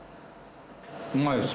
うまいです。